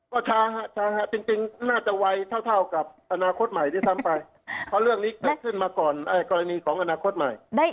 ก็ช้าฮะช้าจริงน่าจะไวเท่ากับอนาคตใหม่ด้วยซ้ำไปเพราะเรื่องนี้เกิดขึ้นมาก่อนกรณีของอนาคตใหม่